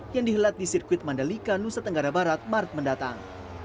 yang dihelat di sirkuit mandalika nusa tenggara barat maret mendatang